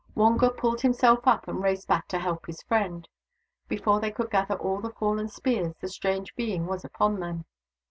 Wonga pulled himself up, and raced back to help his friend. Before they could gather all the fallen spears the strange being was upon them.